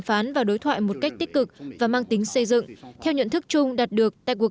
phán và đối thoại một cách tích cực và mang tính xây dựng theo nhận thức chung đạt được tại cuộc